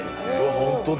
本当だ。